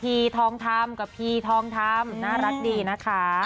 ทองคำกับพีทองคำน่ารักดีนะคะ